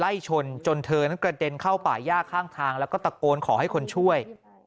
ชนจนเธอนั้นกระเด็นเข้าป่าย่าข้างทางแล้วก็ตะโกนขอให้คนช่วย